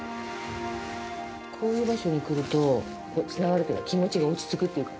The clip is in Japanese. こういう場所に来るとつながるというか気持ちが落ちつくというか。